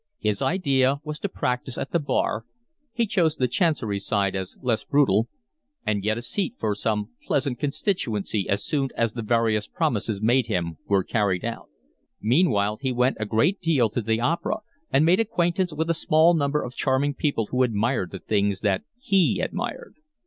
His idea was to practise at the Bar (he chose the Chancery side as less brutal), and get a seat for some pleasant constituency as soon as the various promises made him were carried out; meanwhile he went a great deal to the opera, and made acquaintance with a small number of charming people who admired the things that he admired.